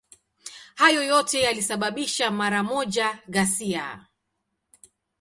Hayo yote yalisababisha mara moja ghasia.